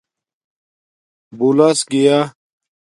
بُولس گیݳ